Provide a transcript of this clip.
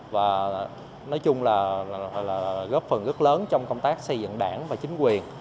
và nói chung là góp phần rất lớn trong công tác xây dựng đảng và chính quyền